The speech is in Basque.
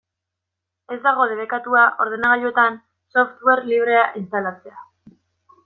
Ez dago debekatua ordenagailuetan software librea instalatzea.